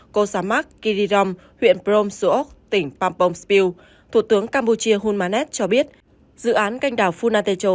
kosamak kirirom huyện prom suok tỉnh pampong spil thủ tướng campuchia hunmanet cho biết dự án canh đảo funatecho